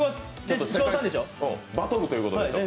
バトルということでしょう？